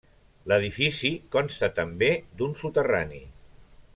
L'edifici consta també d'un soterrani.